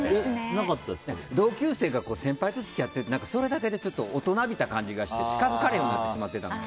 同級生が先輩と付き合ってるって、それだけで大人びてる感じがして近づかれんようになってしまってたもん。